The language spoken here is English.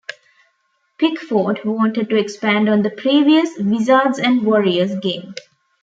Pickford wanted to expand on the previous "Wizards and Warriors" game.